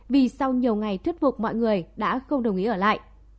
vì sau nhiều ngày thuyết phục mọi người đã không đồng ý ở lại